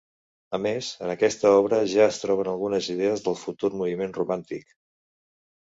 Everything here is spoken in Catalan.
A més, en aquesta obra ja es troben algunes idees del futur moviment romàntic.